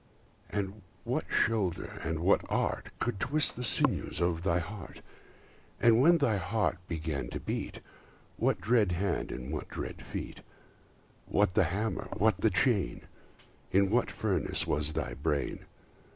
And what shoulder, & what art, Could twist the sinews of thy heart? And when thy heart began to beat, What dread hand? & what dread feet? What the hammer? what the chain? In what furnace was thy brain?